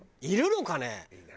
いるのかね？